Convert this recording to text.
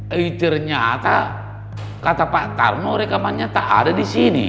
eh ternyata kata pak karno rekamannya tak ada di sini